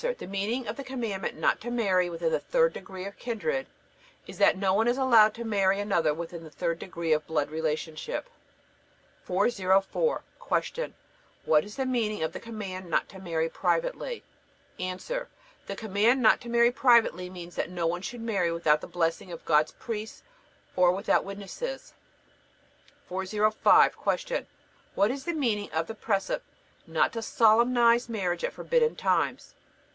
The meaning of the commandment not to marry within the third degree of kindred is that no one is allowed to marry another within the third degree of blood relationship. 404. Q. What is the meaning of the command not to marry privately? A. The command not to marry privately means that none should marry without the blessing of God's priests or without witnesses. 405. Q. What is the meaning of the precept not to solemnize marriage at forbidden times?